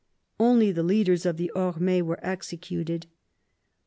Only the leaders of the Orm^e were executed.